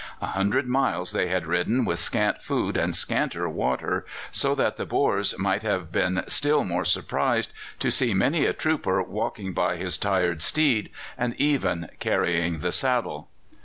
A hundred miles they had ridden with scant food and scanter water, so that the Boers might have been still more surprised to see many a trooper walking by his tired steed, and even carrying the saddle.